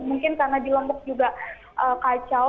mungkin karena di lombok juga kacau